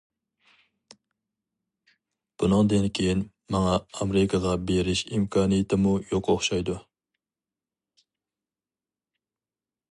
بۇنىڭدىن كېيىن ماڭا ئامېرىكىغا بېرىش ئىمكانىيىتىمۇ يوق ئوخشايدۇ.